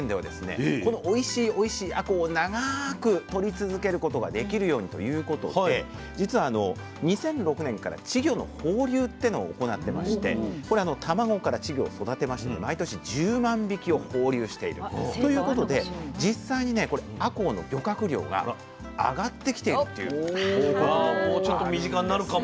このおいしいおいしいあこうを長くとり続けることができるようにということで実は２００６年から稚魚の放流っていうのを行ってましてこれ卵から稚魚を育てまして毎年１０万匹を放流しているということで実際にねあこうの漁獲量が上がってきているという報告もあるんです。